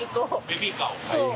ベビーカーを。